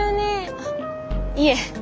あっいえ。